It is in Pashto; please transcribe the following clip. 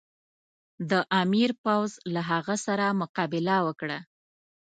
د امیر پوځ له هغه سره مقابله وکړه.